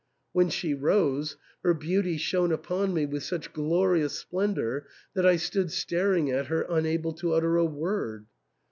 When she rose, her beauty shone upon me with such glorious splendour that I stood staring at her unable to utter a word.